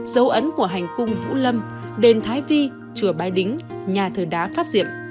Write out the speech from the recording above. dấu ấn của hành cung vũ lâm đền thái vi chùa bái đính nhà thờ đá phát diệm